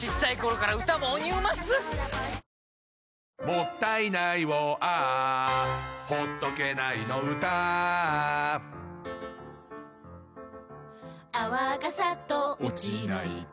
「もったいないをＡｈ」「ほっとけないの唄Ａｈ」「泡がサッと落ちないと」